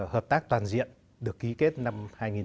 hợp tác toàn diện được ký kết năm hai nghìn một mươi